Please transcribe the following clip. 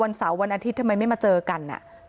เสาร์วันอาทิตย์ทำไมไม่มาเจอกัน